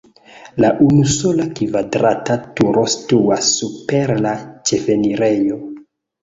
La unusola kvadrata turo situas super la ĉefenirejo.